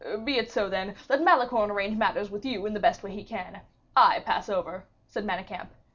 "Be it so, then; let Malicorne arrange matters with you in the best way he can; I pass over," said Manicamp.